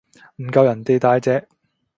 唔夠人哋大隻